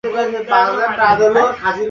ওয়েনকে বোবায় ধরত।